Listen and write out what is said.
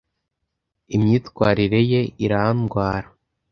Imyitwarire ye irandwara.